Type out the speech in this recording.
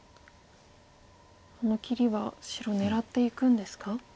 この切りは白狙っていくんですか？